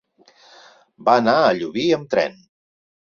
Va anar a Llubí amb tren.